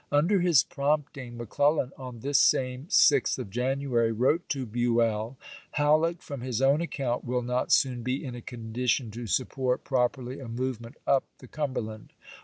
Under his prompt ing McClellan, on this same 6th of January, wrote to Buell :" Halleck, from his own account, will not soon be in a condition to support proj^erly a move ment up the Cumberland.